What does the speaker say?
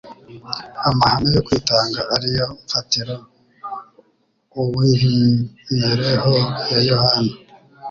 Amahame yo kwitanga ariyo mfatiro uiv'imibereho ya Yohana